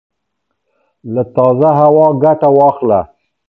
له تازه هوا ګټه واخله